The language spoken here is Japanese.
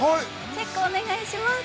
チェックお願いします。